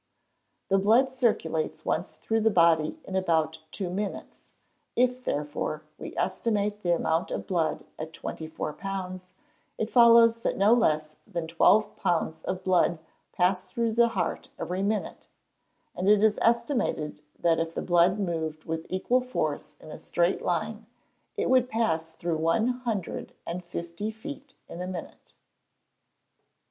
_ The blood circulates once through the body in about two minutes. If, therefore, we estimate the amount of blood at twenty four pounds, it follows that no less than twelve pounds of blood pass through the heart every minute; and it is estimated that if the blood moved with equal force in a straight line it would pass through one hundred and fifty feet in a minute.